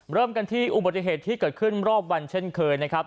เริ่มกันที่อุบัติเหตุที่เกิดขึ้นรอบวันเช่นเคยนะครับ